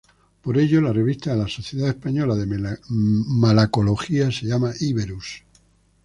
Por ello la revista de la Sociedad Española de Malacología se llama "Iberus".